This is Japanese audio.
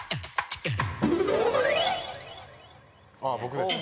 あ僕です。